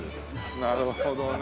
なるほどね。